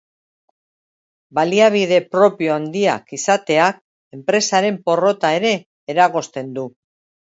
Baliabide propio handiak izateak enpresaren porrota ere eragozten du.